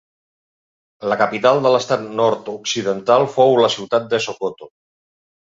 La capital de l'estat Nord-occidental fou la ciutat de Sokoto.